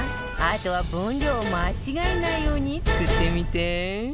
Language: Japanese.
あとは分量を間違えないように作ってみて